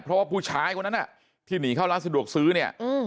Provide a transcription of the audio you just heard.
เพราะว่าผู้ชายคนนั้นที่หนีเข้าร้านสะดวกซื้อเนี่ย